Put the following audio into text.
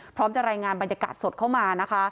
พร้อมจะรายงานบรรยากาศสดเข้ามานะคะ